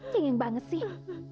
cengeng banget sih